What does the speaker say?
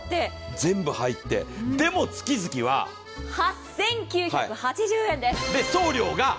全部入って、でも月々は８９８０円です。